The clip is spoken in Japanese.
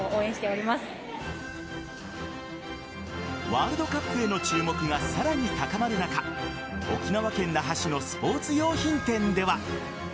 ワールドカップへの注目がさらに高まる中沖縄県那覇市のスポーツ用品店では。